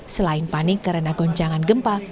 selain panik karena goncangan gempa